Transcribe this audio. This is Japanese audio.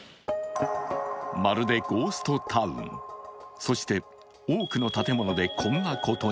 まるでゴーストタウン、そして多くの建物でこんなことに。